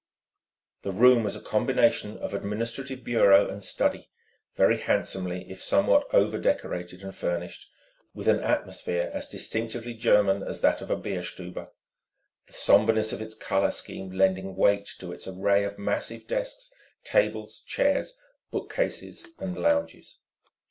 The room was a combination of administrative bureau and study, very handsomely if somewhat over decorated and furnished, with an atmosphere as distinctively German as that of a Bierstube, the sombreness of its colour scheme lending weight to its array of massive desks, tables, chairs, bookcases, and lounges.